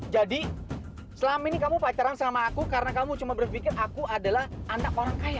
jadi selama ini kamu pacaran sama aku karena kamu cuma berpikir aku adalah anak orang kaya